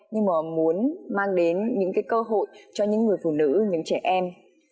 nhưng mà muốn mang đến những cái cơ hội cho những người phụ nữ những trẻ em